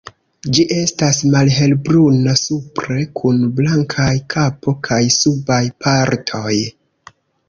Ĝi estas malhelbruna supre kun blankaj kapo kaj subaj partoj.